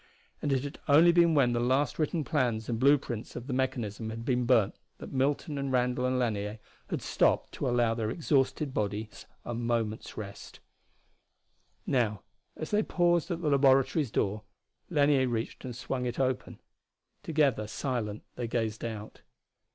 And it had only been when the last written plans and blue prints of the mechanism had been burned that Milton and Randall and Lanier had stopped to allow their exhausted bodies a moment of rest. Now as they paused at the laboratory's door, Lanier reached and swung it open. Together, silent, they gazed out.